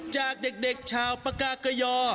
จากเด็กชาวปากากยอ